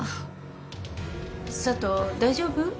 佐都大丈夫？